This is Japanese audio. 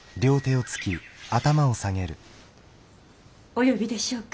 お呼びでしょうか。